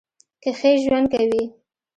کښې ژؤند کوي